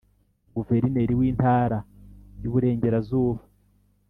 Guverineri w’Intara y’Uburengerazuba